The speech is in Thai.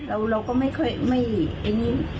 เราก็ไม่ค่อยไม่อย่างนี้